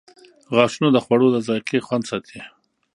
• غاښونه د خوړو د ذایقې خوند ساتي.